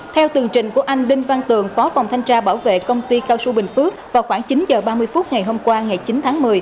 theo tường trình của anh đinh văn tường phó phòng thanh tra bảo vệ công ty cao su bình phước vào khoảng chín h ba mươi phút ngày hôm qua ngày chín tháng một mươi